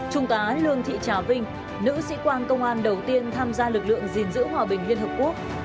trung tá lương thị trà vinh nữ sĩ quan công an đầu tiên tham gia lực lượng gìn giữ hòa bình liên hợp quốc